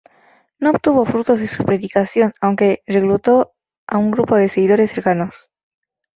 No obtuvo frutos de su predicación aunque reclutó a un grupo de seguidores cercanos.